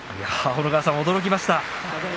小野川さん、驚きました。